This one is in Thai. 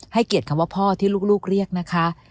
เกียรติคำว่าพ่อที่ลูกเรียกนะคะ